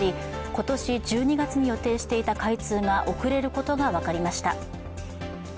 今年１２月に予定していた開通が遅れることが分かりました。